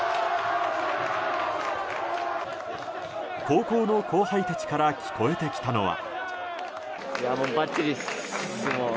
高校の後輩たちから聞こえてきたのは。